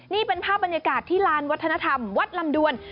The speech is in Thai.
นี่เป็นภาพบรรยากาศที่ลานวัฒนธรรมวัดลำดวน